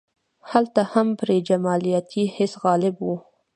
هلته هم پرې جمالیاتي حس غالب و.